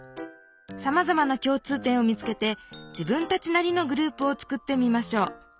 さまざまなきょう通点を見つけて自分たちなりのグループを作ってみましょう。